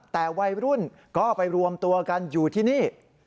แต่วัยรุ่นก็ไปรวมตัวกันอยู่ที่นี่